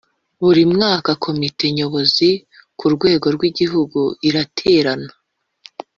Buri mwaka Komite Nyobozi ku rwego rw’Igihugu iraterana